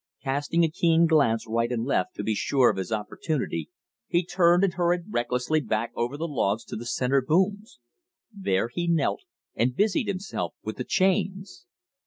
Casting a keen glance right and left to be sure of his opportunity, he turned and hurried recklessly back over the logs to the center booms. There he knelt and busied himself with the chains.